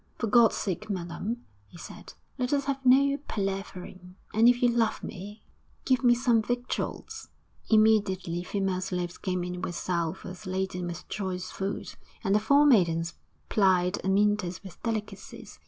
'For God's sake, madam,' he said, 'let us have no palavering, and if you love me give me some victuals!...' Immediately female slaves came in with salvers laden with choice food, and the four maidens plied Amyntas with delicacies.